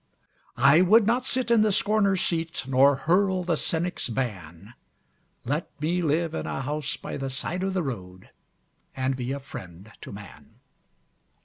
I would not sit in the scorner's seat Nor hurl the cynic's ban Let me live in a house by the side of the road And be a friend to man.